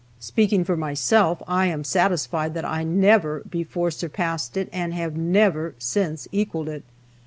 Speaking for myself, I am satisfied that I never before surpassed it, and have never since equaled it.